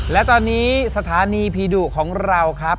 และตอนนี้สถานีผีดุของเราครับ